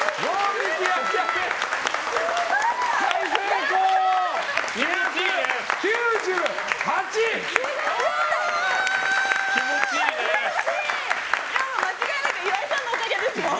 でも間違いなく岩井さんのおかげですよ。